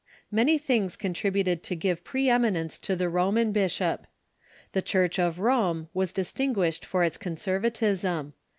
Many things contributed to give pre eminence to the Roman bishop. The Church of Rome was distinguished for its con servatism.